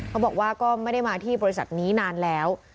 เขาบอกว่าก็ไม่ได้มาที่บริษัทนี้นานแล้ว